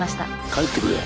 帰ってくれ。